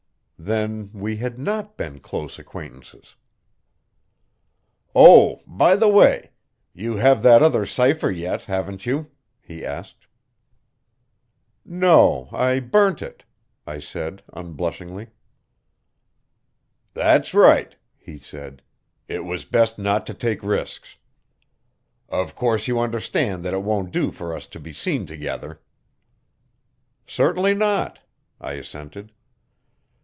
Then we had not been close acquaintances. "Oh, by the way, you have that other cipher yet, haven't you?" he asked. "No, I burnt it," I said unblushingly. "That's right," he said. "It was best not to take risks. Of course you understand that it won't do for us to be seen together." "Certainly not," I assented.